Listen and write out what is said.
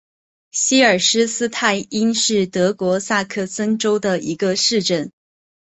希尔施斯泰因是德国萨克森州的一个市镇。